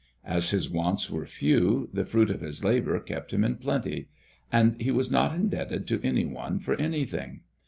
As his wants were few, the fruit of his labor kept him in plenty, and he was not indebted to any one for anything.